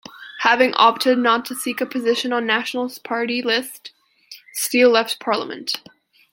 Having opted not to seek a position on National's party list, Steel left Parliament.